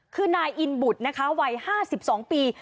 คือนายอินบุตรนะคะวัย๕๒ปี